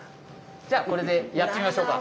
じゃあこれでやってみましょうか。